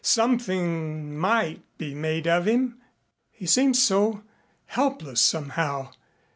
Something might be made of him. He seems so helpless somehow.